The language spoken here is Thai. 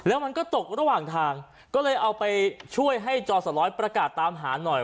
แล้วมันก็ตกระหว่างทางก็เลยเอาไปช่วยให้จอสร้อยประกาศตามหาหน่อย